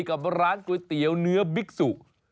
กับร้านก๋วยเตี๋ยวเนื้อบิ๊กสุ